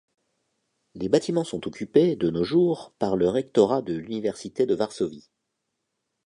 Les bâtiments sont occupés, de nos jours, par le Rectorat de l'Université de Varsovie.